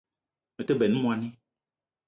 Me te benn moni